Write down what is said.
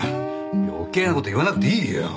余計な事言わなくていいよ！